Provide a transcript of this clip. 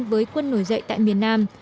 với quân nổi dậy tại miền nam